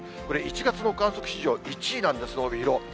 これ、１月の観測史上１位なんです、帯広。